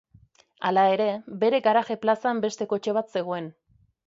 Hala ere, bere garaje plazan beste kotxe bat zegoen.